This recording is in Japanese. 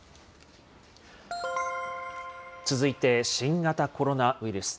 続いて、新型コロナウイルス。